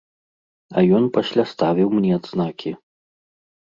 А ён пасля ставіў мне адзнакі.